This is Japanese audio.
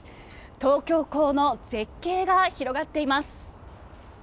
東京港の絶景が広がっています。